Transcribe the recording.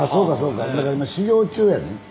だから今修業中やねいわゆる。